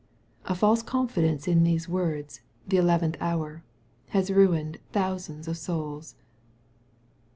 A false confidence in those words, " the eleventh hour," has ruined thousands of souls.